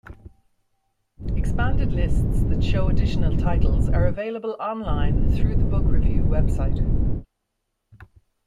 Expanded lists that show additional titles are available online through the Book Review website.